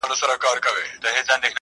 او طبیعي سرچینې، وسایل او شتمنۍ یې لوټي